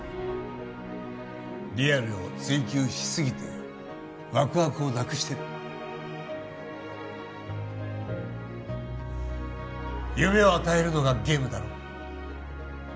リアルを追求しすぎてワクワクをなくしてる夢を与えるのがゲームだろ？